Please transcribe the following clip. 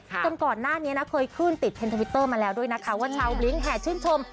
จนก่อนหน้านี้นะเคยขึ้นติดเทรนทวิตเตอร์มาแล้วด้วยนะคะว่าชาวบลิ้งแห่ชื่นชม